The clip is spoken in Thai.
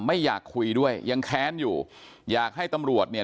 ไม่อยากคุยด้วยยังแค้นอยู่อยากให้ตำรวจเนี่ย